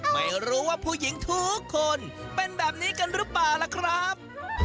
ไม่รู้ว่าผู้หญิงทุกคนเป็นแบบนี้กันหรือเปล่าล่ะครับ